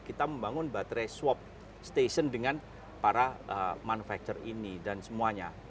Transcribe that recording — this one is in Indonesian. kita membangun baterai swab station dengan para manufacture ini dan semuanya